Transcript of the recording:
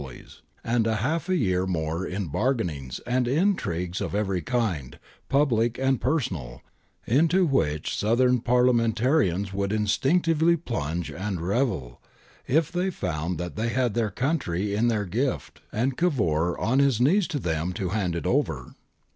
blies, and half a year more in bargainings and intrigues of every kind, public and per sonal, into which Southern Parliamentarians would in stinctively plunge and revel, if they found that they had their country in their gift and Cavour on his knees to them to hand it over.